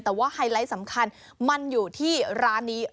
แต่ว่าไฮไลท์สำคัญมันอยู่ที่ร้านนี้